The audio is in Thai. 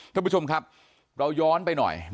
ท่านผู้ชมครับเราย้อนไปหน่อย